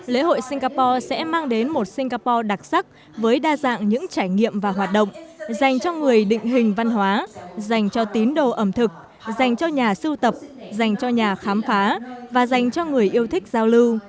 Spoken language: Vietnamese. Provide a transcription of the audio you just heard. lễ hội singapore sẽ mang đến một singapore đặc sắc với đa dạng những trải nghiệm và hoạt động dành cho người định hình văn hóa dành cho tín đồ ẩm thực dành cho nhà sưu tập dành cho nhà khám phá và dành cho người yêu thích giao lưu